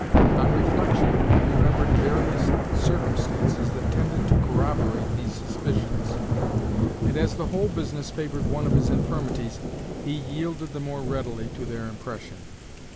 On reflection, he remembered various circumstances that tended to corroborate these suspicions, and, as the whole business favored one of his infirmities, he yielded the more readily to their impression.